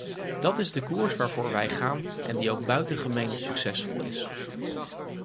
Dat is de koers waarvoor wij gaan en die ook buitengemeen succesvol is.